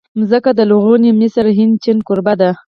مځکه د لرغوني مصر، هند، چین کوربه ده.